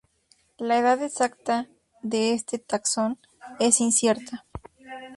La edad exacta de este taxón es incierta.